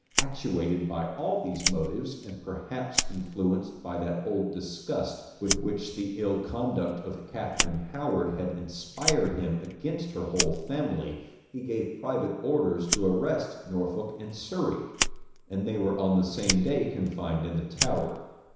Actuated by all these motives, and perhaps influenced by that old disgust with which the ill conduct of Catharine Howard had inspired him against her whole family, he gave private orders to arrest Norfolk and Surrey; and they were on the same day confined in the Tower.